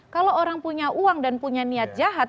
kalau orang punya uang dan punya niat jahat